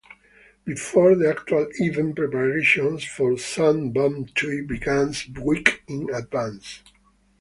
Before the actual event, preparations for Sabantuy begin weeks in advance.